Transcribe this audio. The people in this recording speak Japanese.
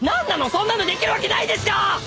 そんなのできるわけないでしょ！